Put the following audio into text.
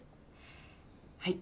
はい。